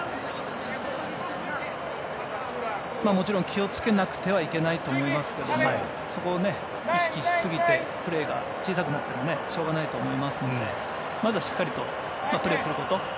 もちろん気を付けなくてはいけないと思いますけどそこを意識しすぎてプレーが小さくなってもしょうがないと思いますのでまずはしっかりとプレーすること。